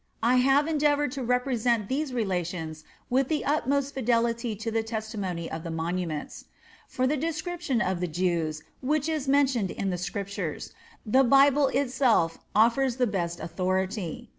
I have endeavored to represent these relations with the utmost fidelity to the testimony of the monuments. For the description of the Hebrews, which is mentioned in the Scriptures, the Bible itself offers the best authority.